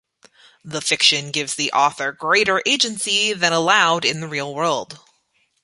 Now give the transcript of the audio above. The fiction gives the author greater agency than allowed in the real world.